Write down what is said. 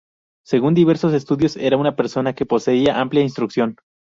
Según diversos estudios, era una persona que poseía amplia instrucción.